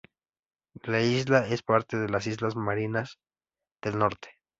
La isla es parte de las islas Marianas del Norte.